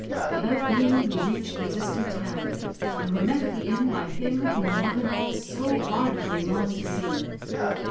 About noon we reached the distant town, and were met at the inn by him whom one and all so ardently longed to see.